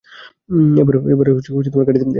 এবার ঘাঁটিতে ফেরা যাক।